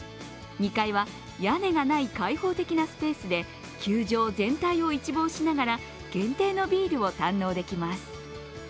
２階は屋根がない開放的なスペースで球場全体を一望しながら限定のビールを堪能できます。